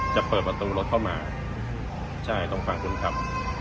จะเปิดประตูรถเข้ามาใช่ตรงฝั่งคนขับ